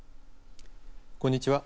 こんにちは。